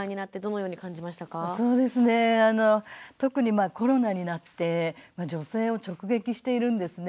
特にコロナになって女性を直撃しているんですね。